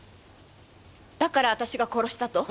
だから私が殺したと？